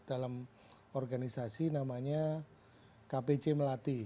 dalam organisasi namanya kpc melati